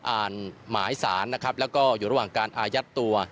อ่านหมายสารนะครับแล้วก็อยู่ระหว่างการอายัดตัว